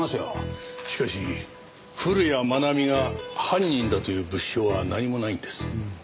しかし古谷愛美が犯人だという物証は何もないんです。